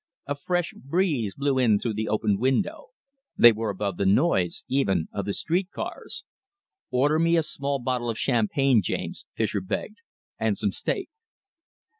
A fresh breeze blew in through the opened window. They were above the noise, even, of the street cars. "Order me a small bottle of champagne, James," Fischer begged, "and some steak."